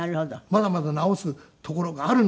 まだまだ治すところがあるのに。